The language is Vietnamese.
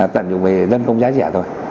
tận dụng về dân công giá rẻ thôi